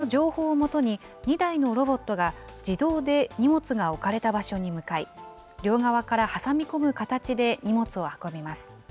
その情報を基に、２台のロボットが自動で荷物が置かれた場所に向かい、両側から挟み込む形で荷物を運びます。